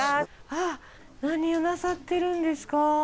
あっ何をなさってるんですか？